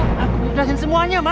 aku ngejahatin semuanya ma